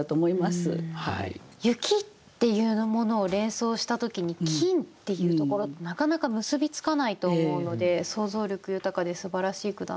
雪っていうものを連想した時に金っていうところってなかなか結び付かないと思うので想像力豊かですばらしい句だなと思いました。